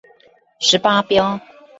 十八標